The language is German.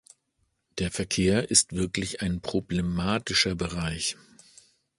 Der Verkehr ist wirklich ein problematischer Bereich.